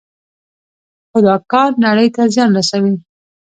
خو دا کار نړۍ ته زیان رسوي.